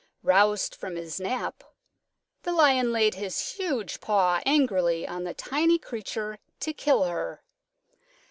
Roused from his nap, the Lion laid his huge paw angrily on the tiny creature to kill her.